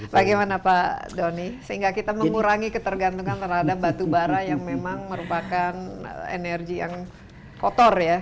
bagaimana pak doni sehingga kita mengurangi ketergantungan terhadap batu bara yang memang merupakan energi yang kotor ya